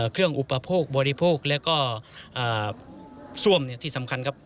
อุปโภคบริโภคแล้วก็ซ่วมที่สำคัญครับ